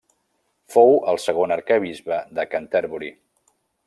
Fou el segon arquebisbe de Canterbury.